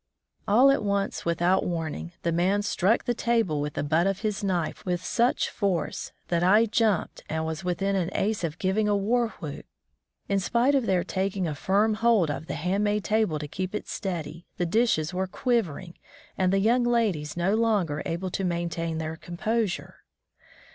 AU at once, without warning, the man struck the table with the butt of his knife with such force that I jumped and was within an ace of giving a war whoop. In spite of their taking a firm hold of the home made table to keep it steady, the dishes were quivering, and the young ladies no longer able to maintain their composure.